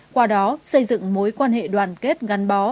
qua đó xây dựng mối quan hệ đoàn kết gắn bó